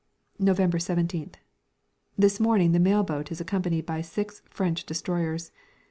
November 17th. This morning the mail boat is accompanied by six French destroyers.